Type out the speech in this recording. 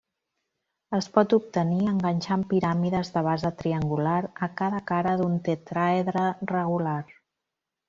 Es pot obtenir enganxant piràmides de base triangular a cada cara d'un tetràedre regular.